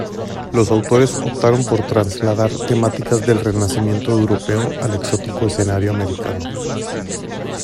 Los autores optaron por trasladar temáticas del Renacimiento europeo al exótico escenario americano.